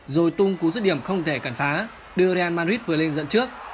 rồi tung cú dứt điểm không thể cản phá đưa real madrid vừa lên dẫn trước